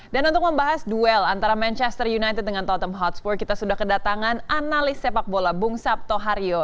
dan untuk membahas duel antara manchester united dengan tottenham hotspur kita sudah kedatangan analis sepak bola bung sabtoharyo